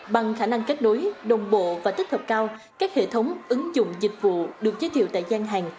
bằng khả năng kết nối đồng bộ và tích hợp cao các hệ thống ứng dụng dịch vụ được giới thiệu tại gian hàng